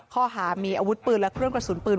ข้อหามีอาวุธปืนและเครื่องกระสุนปืน